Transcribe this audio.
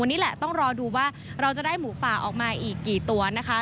วันนี้แหละต้องรอดูว่าเราจะได้หมูป่าออกมาอีกกี่ตัวนะคะ